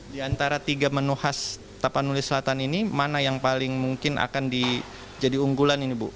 di antara tiga menu khas tapanuli selatan ini mana yang paling mungkin akan jadi unggulan ini bu